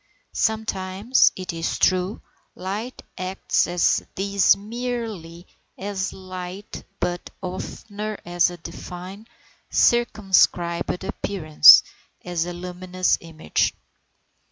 Sometimes, it is true, light acts with these merely as light, but oftener as a defined, circumscribed appearance, as a luminous image.